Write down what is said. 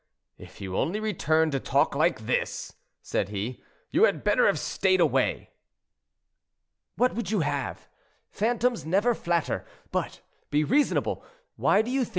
"If you only returned to talk like this," said he, "you had better have stayed away." "What would you have? Phantoms never flatter. But be reasonable; why do you think M.